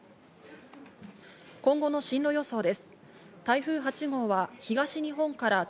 今後の進路予想です。